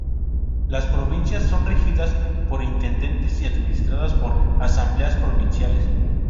Las provincias son regidas por intendentes y administradas por "Asambleas Provinciales".